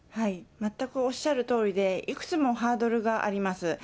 全くおっしゃるとおりで、いくつもハードルがあります。